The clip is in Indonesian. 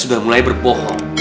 bangun teh teram saya